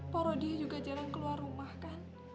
poro dia juga jarang keluar rumah kan